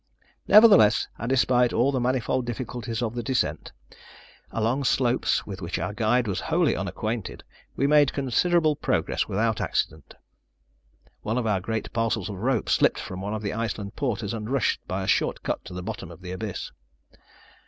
Nevertheless, and despite all the manifold difficulties of the descent, along slopes with which our guide was wholly unacquainted, we made considerable progress without accident. One of our great parcels of rope slipped from one of the Iceland porters, and rushed by a short cut to the bottom of the abyss.